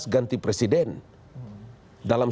ganti presiden dalam